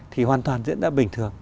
thì hoàn toàn diễn ra bình thường